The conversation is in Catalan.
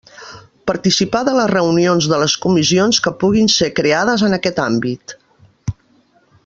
Participar de les reunions de les comissions que puguin ser creades en aquest àmbit.